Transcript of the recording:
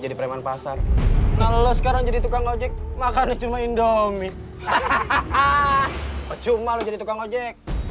jadi preman pasar kalau sekarang jadi tukang ojek makanya cuma indomie hahaha cuma jadi tukang ojek